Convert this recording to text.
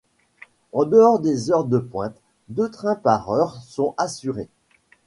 En dehors des heures de pointe, deux trains par heure sont assurés.